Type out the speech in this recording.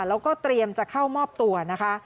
แล้วก็เตรียมจะเข้ามอบตัวนะคะ